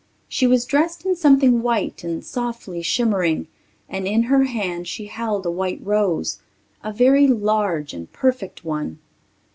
She was dressed in something white and softly shimmering, and in her hand she held a white rose ... a very large and perfect one.